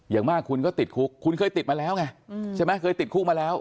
อย่างมากคุณก็ติดคุกคุณเคยติดมาแล้วไงใช่ไหมเคยติดคุกมาแล้ว